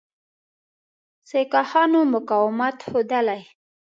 سیکهانو مقاومت ښودلی.